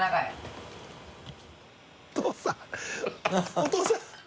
お父さん！